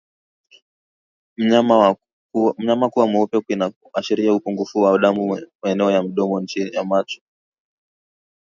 Mnyama kuwa mweupe kunakoashiria upungufu wa damu maeneo ya midomo na macho